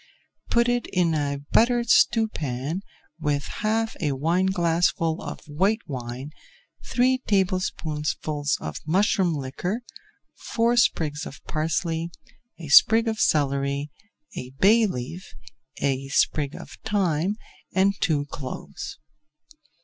Put it in a buttered stewpan with half a wineglassful of white wine, three tablespoonfuls of mushroom liquor, four sprigs of parsley, a sprig of celery, a bay leaf, a sprig of thyme, and two cloves.